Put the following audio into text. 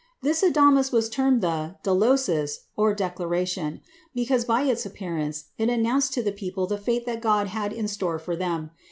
This adamas was termed the δήλωσις or "Declaration," because, by its appearance, it announced to the people the fate that God had in store for them.